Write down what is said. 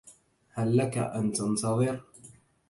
هل لك أن تنتظر؟